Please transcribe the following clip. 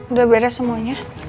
udah beres semuanya